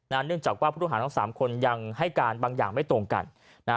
เนื่องจากว่าผู้ต้องหาทั้งสามคนยังให้การบางอย่างไม่ตรงกันนะฮะ